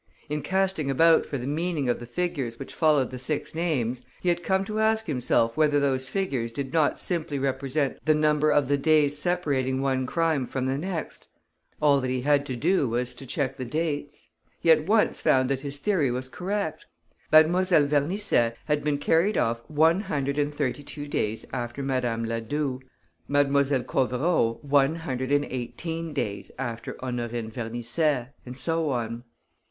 In casting about for the meaning of the figures which followed the six names, he had come to ask himself whether those figures did not simply represent the number of the days separating one crime from the next. All that he had to do was to check the dates. He at once found that his theory was correct. Mlle. Vernisset had been carried off one hundred and thirty two days after Madame Ladoue; Mlle. Covereau one hundred and eighteen days after Honorine Vernisset; and so on.